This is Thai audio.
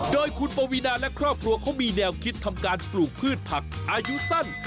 โดยคุณปวีนาและครอบครัวเขามีแนวคิดทำการปลูกพืชผักอายุสั้น